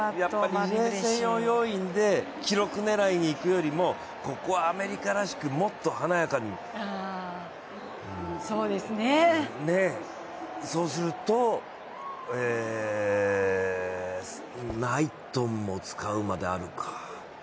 リレー専用要員で記録狙いでいくよりもここはアメリカらしく、もっと華やかに、そうするとナイトンも使うまであるか。